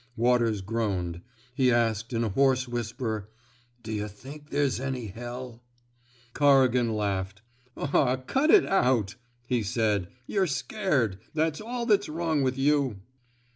Waters groaned. He asked, in a hoarse whisper: '* D'yuh think there's any hell! " Corrigan laughed. '* Aw, cut it out," he said. '* Yuh 're scared. That's all that's wrong with you."